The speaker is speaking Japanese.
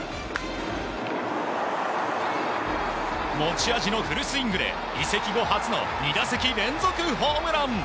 持ち味のフルスイングで移籍後初の２打席連続ホームラン。